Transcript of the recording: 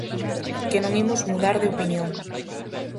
Que non imos mudar de opinión.